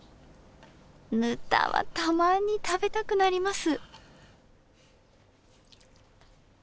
ぬたはたまに食べたくなります。